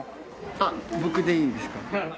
あっ僕でいいですか？